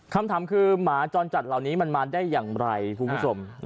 คำถามคือหมาจรจัดเหล่านี้มันมาได้อย่างไรคุณผู้ชม